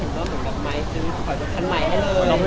เห็นมันกับไม้